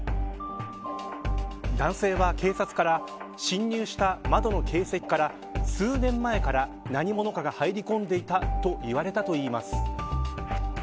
男性は警察から侵入した窓の形跡から数年前から何者かが入り込んでいたと言われたといいます。